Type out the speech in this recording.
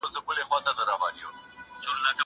زه مخکي لوبه کړې وه.